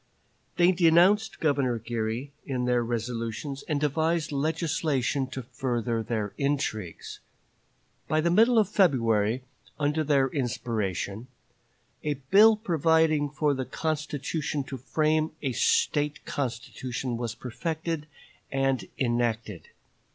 They denounced Governor Geary in their resolutions, and devised legislation to further their intrigues. By the middle of February, under their inspiration, a bill providing for a convention to frame a State constitution was perfected and enacted.